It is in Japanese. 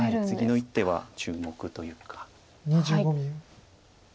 次の一手は注目というか。